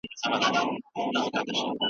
د ناروغانو لیدونکي کله راتلای سي؟